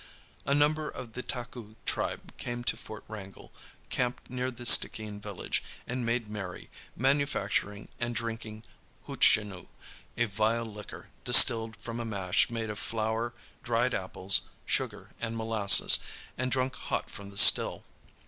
A number of the Taku tribe came to Fort Wrangell, camped near the Stickeen village, and made merry, manufacturing and drinking hootchenoo, a vile liquor distilled from a mash made of flour, dried apples, sugar, and molasses, and drunk hot from the still.